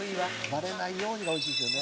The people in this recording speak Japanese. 「バレないようにが美味しいんですよね」